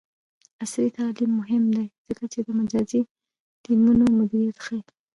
عصري تعلیم مهم دی ځکه چې د مجازی ټیمونو مدیریت ښيي.